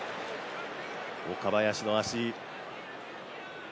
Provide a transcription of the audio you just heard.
岡林の足。